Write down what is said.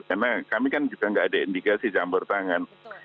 karena kami kan juga tidak ada indikasi campur tangan